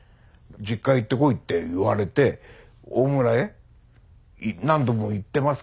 実家行ってこいって言われて大村へ何度も行ってますから。